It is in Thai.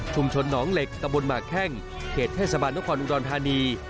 หนองเหล็กตะบนหมากแข้งเขตเทศบาลนครอุดรธานี